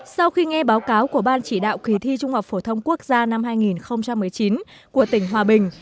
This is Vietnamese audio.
sau khi nghe báo cáo của ban chỉ đạo kỳ thi trung học phổ thông quốc gia năm hai nghìn một mươi chín của tỉnh hòa bình